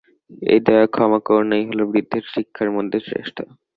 এই দয়া, ক্ষমা, করুণাই হল বুদ্ধের শিক্ষার মধ্যে শ্রেষ্ঠ।